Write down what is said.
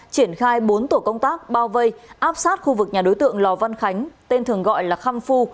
triển khai bốn tổ công tác bao vây áp sát khu vực nhà đối tượng lò văn khánh tên thường gọi là kham phu